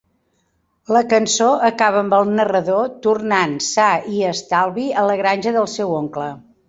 La cançó acaba amb el narrador tornant sa i estalvi a la granja del seu oncle.